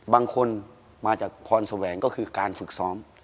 บางคนมาจากพรแสวงก็คือการฝึกซ้อม